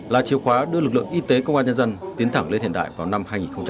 là chiều khóa đưa lực lượng y tế công an nhân dân tiến thẳng lên hiện đại vào năm hai nghìn ba mươi